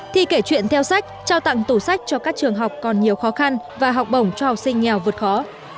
thì kể chuyện theo sách trao tặng tủ sách cho các trường học còn nhiều khó khăn và học bổng cho học sinh nghèo vượt khó